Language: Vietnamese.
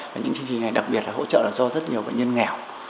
và những chương trình này đặc biệt là hỗ trợ là do rất nhiều bệnh nhân nghèo